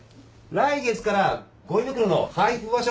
来月からごみ袋の配布場所